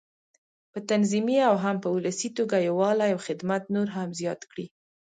په تنظيمي او هم په ولسي توګه یووالی او خدمت نور هم زیات کړي.